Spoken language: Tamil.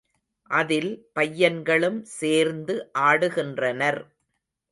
அதில் பையன்களும் சேர்ந்து ஆடுகின்றனர்.